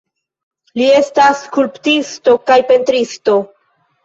Li estas skulptisto kaj pentristo.